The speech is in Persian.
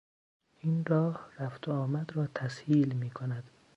این راه رفت و آمد را تسهیل می کند.